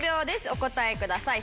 お答えください。